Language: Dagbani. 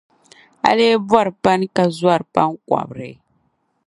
A lee bɔri pani ka zɔri pan’ kɔbiri.